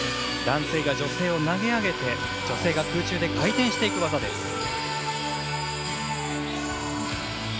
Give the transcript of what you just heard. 男性が女性を投げ上げて女性が空中で回転していく技です。